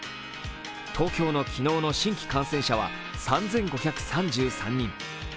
東京の昨日の新規感染者は３５３３人。